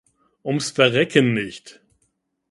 Ums Verrecken nicht!